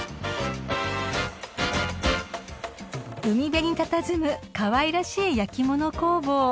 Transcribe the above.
［海辺にたたずむかわいらしい焼き物工房］